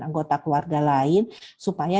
anggota keluarga lain supaya